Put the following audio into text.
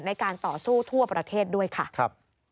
ในการต่อสู้ทั่วประเทศด้วยค่ะ